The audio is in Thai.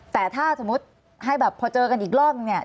แต่ถ้าสมมุติให้แบบพอเจอกันอีกรอบนึงเนี่ย